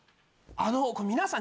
あの皆さん